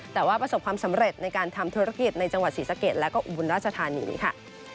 แต่ว่าประสบความสำเร็จในการทำธุรกิจในจังหวัดศรีสะเกดและก็อุบลราชธานีค่ะ